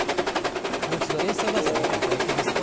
もう一度、衛星画像を見ていただきますと。